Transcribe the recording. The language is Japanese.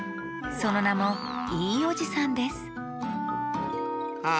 そのなも「いいおじさん」ですあ